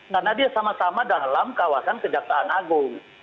karena dia sama sama dalam kawasan kejaktaan agung